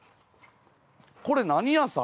これ何屋さん？